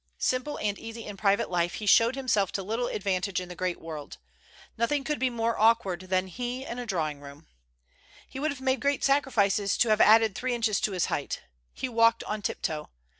Simple and easy in private life, he showed himself to little advantage in the great world. Nothing could be more awkward than he in a drawing room. He would have made great sacrifices to have added three inches to his height. He walked on tiptoe.